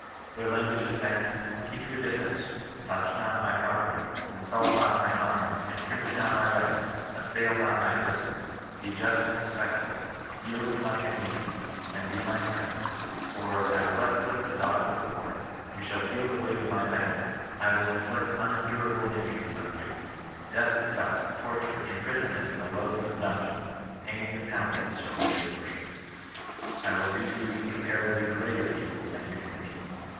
Their language has been, " keep your dis tance; touch not my property; insult not my honour; infringe not my rights ; assail not my person ; be just and respectful; yield to my convenience, and be my friend; or, I will let slip the dogs of war; you shall feel the weight of my vengeance ; I will inflict unen durable injuries on you ; death itself, torture, imprison ment in a loathsome dungeon, pains and penalties, shaU be your portion. I will do you incomparably ^rea^ tml, than you can me.